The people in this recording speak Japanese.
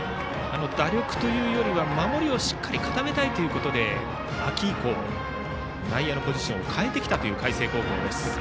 打力というよりは守りをしっかり固めたいということで秋以降、内野のポジションを変えた海星高校です。